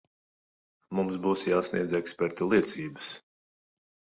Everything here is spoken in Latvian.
Mums būs jāsniedz ekspertu liecības.